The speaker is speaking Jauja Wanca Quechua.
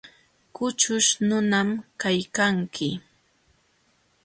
Kućhuśh nunam kaykanki.